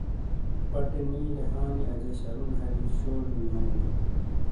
پٹے نیلے ہاں نی اجا شَرُون ہری شوجے ویونی بئیں۔